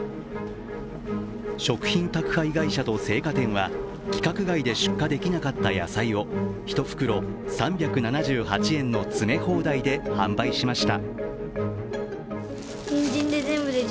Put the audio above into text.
食品宅配会社と青果店は規格外で出荷できなかった野菜を１袋３７８円の詰め放題で販売しました。